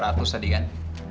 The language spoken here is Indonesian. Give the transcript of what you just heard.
eh dua ratus tadi kan